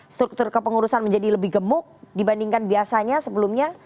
struktur kepengurusan menjadi lebih gemuk dibandingkan biasanya sebelumnya